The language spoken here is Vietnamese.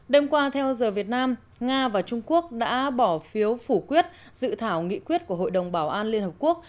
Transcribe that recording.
đêm qua theo giờ việt nam nga và trung quốc đã bỏ phiếu phủ quyết dự thảo nghị quyết của hội đồng bảo an liên hợp quốc